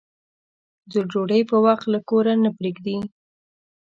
د ډوډۍ په وخت له کوره نه پرېږدي.